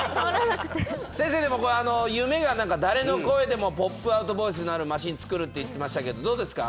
先生、夢が誰の声でもポップアウトボイスになるマシンを作ると言っていましたがどうですか？